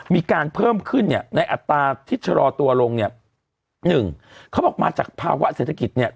มีการเพิ่มขึ้นเนี่ยในอัตราที่ชะลอตัวลงเนี่ยหนึ่งเขาบอกมาจากภาวะเศรษฐกิจเนี่ย